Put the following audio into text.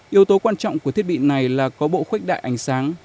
yếu tố quan trọng của thiết bị này là có bộ khuếch đại ánh sáng